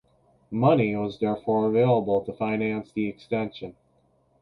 Money was therefore available to finance the extension.